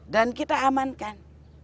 dan kita amankan